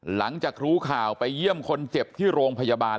หลังจากรู้ข่าวไปเยี่ยมคนเจ็บที่โรงพยาบาล